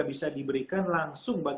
bisa diberikan langsung bagi